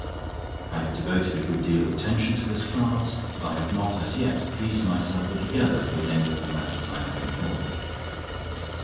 I have devoted a good deal of attention to this class, but I have not as yet pleased myself altogether with any of the methods I have employed.